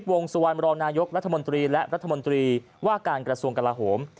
วงสุวรรณรองนายกรัฐมนตรีและรัฐมนตรีว่าการกระทรวงกลาโหม